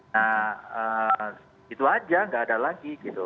nah itu aja nggak ada lagi gitu